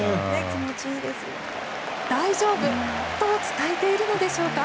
大丈夫と伝えているのでしょうか。